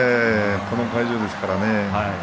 この会場ですからね。